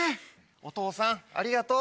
お父さんありがとう。